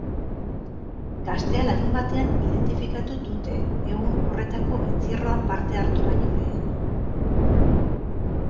Gaztea larunbatean identifikatu dute, egun horretako entzierroan parte hartu baino lehen.